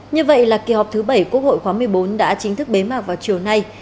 như vậy là kỳ họp thứ bảy quốc hội khóa một mươi bốn đã chính thức bế mạc vào chiều nay